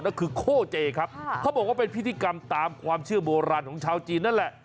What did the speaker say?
นั่นคือโคเจครับเขาบอกว่าเป็นพิธีกรรมตามความเชื่อโบราณของชาวจีนนั่นแหละ